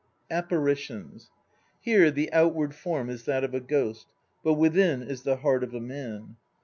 APPARITIONS Here the outward form is that of a ghost; but within is the heart of a man.